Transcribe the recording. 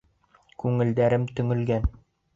Күңелдәрем төңөлгән